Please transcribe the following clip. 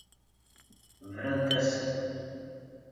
Brant-asen.